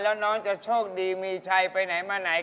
แล้วน้องจะโชคดีมีชัยไปไหนมาไหน